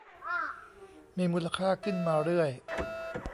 มีมูลค่าขึ้นมาเรื่อย